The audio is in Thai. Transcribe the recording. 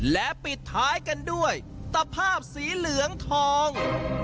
และปิดท้ายกันด้วยตะภาพสีเหลืองทอง